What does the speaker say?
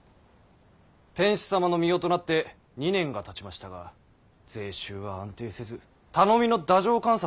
天子様の御代となって２年がたちましたが税収は安定せず頼みの太政官札は信用が薄い。